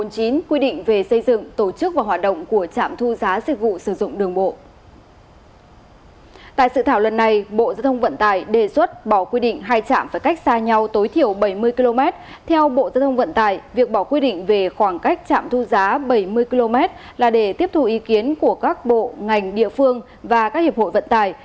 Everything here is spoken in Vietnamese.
cảm ơn quý vị và các bạn đã theo dõi